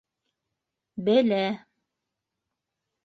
Белә.